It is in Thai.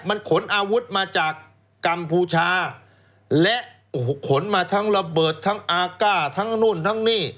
มันขนอาวุธมาจากกัมพูชาและโอ้โหขนมาทั้งระเบิดทั้งอากาศทั้งนู่นทั้งนี่